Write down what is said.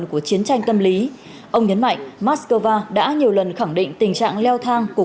của chiến tranh tâm lý ông nhấn mạnh moscow đã nhiều lần khẳng định tình trạng leo thang của